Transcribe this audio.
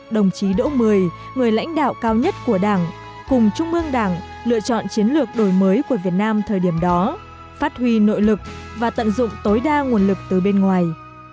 đồng chí đỗ mười người lãnh đạo cao nhất của đảng cùng trung ương đảng lựa chọn chiến lược đổi mới của việt nam thời điểm đó phát huy nội lực và tận dụng tối đa nguồn lực từ bên ngoài